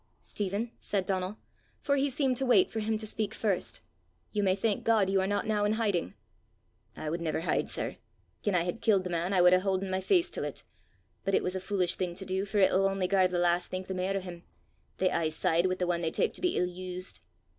"Stephen," said Donal, for he seemed to wait for him to speak first, "you may thank God you are not now in hiding." "I wad never hide, sir. Gien I had killed the man, I wad hae hauden my face til 't. But it was a foolish thing to do, for it'll only gar the lass think the mair o' him: they aye side wi' the ane they tak to be ill used!"